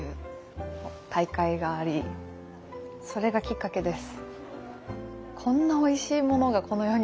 それがきっかけです。